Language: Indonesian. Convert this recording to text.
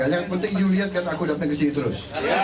yang penting julius kan aku ngasih cewek terus